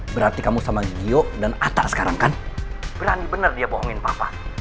berarti kamu sama gio dan atta sekarang kan berani benar dia bohongin papa